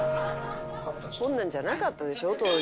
「こんなんじゃなかったでしょ当時」